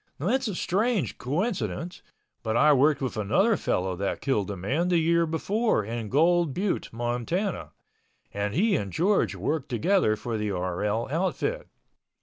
It's a strange coincidence, but I worked with another fellow that killed a man the year before in Gold Butte, Montana, and he and George worked together for the RL outfit.